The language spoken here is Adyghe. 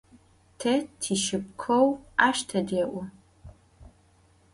Te tişsıpkheu aş têde'u.